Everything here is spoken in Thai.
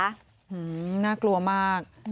หือน่ากลัวมาก